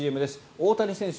大谷選手